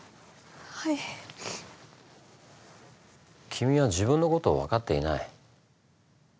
君は自分のことを分かっていない。